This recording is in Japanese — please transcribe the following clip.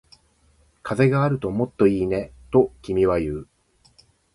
風があるともっといいね、と君は言う